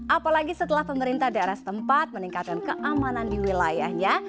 apalagi setelah pemerintah daerah setempat meningkatkan keamanan di wilayahnya